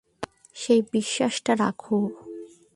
সেই বিশ্বাসটা রাখো।